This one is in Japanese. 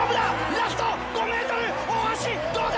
ラスト５ｍどうだ！